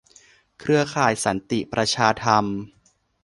เครือข่ายสันติประชาธรรม